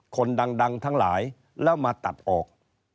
คนดังทั้งหลายแล้วมาตัดออก